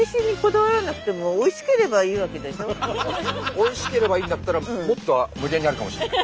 おいしければいいんだったらもっと無限にあるかもしれない。